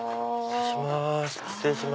失礼します。